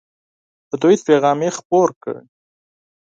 د توحید پیغام یې خپور کړ.